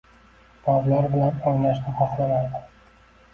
va ular bilan o‘ynashni xohlamaydi.